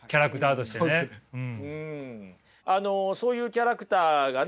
あのそういうキャラクターがね